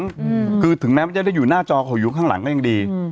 อืมคือถึงแม้มันจะได้อยู่หน้าจอเขาอยู่ข้างหลังก็ยังดีอืม